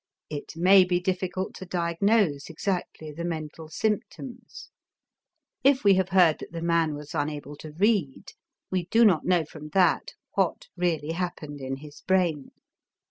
It may be difficult to diagnose exactly the mental symptoms. If we have heard that the man was unable to read, we do not know from that what really happened in his brain.